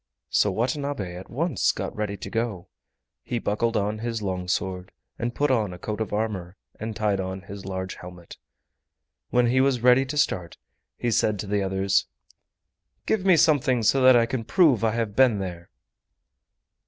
So Watanabe at once got ready to go—he buckled on his long sword and put on a coat of armor, and tied on his large helmet. When he was ready to start he said to the others: "Give me something so that I can prove I have been there!"